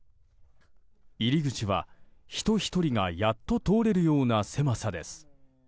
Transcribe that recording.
入り口は人１人がやっと通れるような狭さです。